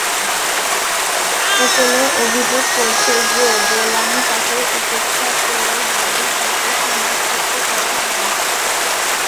ওকলে অভিযোগ করেন যে, ডোলান তাকে উপেক্ষা করেছে, যদিও তাকে সমাজচ্যুত করা হয়নি।